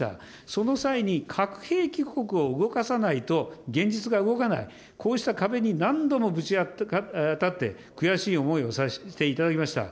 その際に、核兵器国を動かさないと、現実が動かない、こうした壁に何度もぶち当たって、悔しい思いをさせていただきました。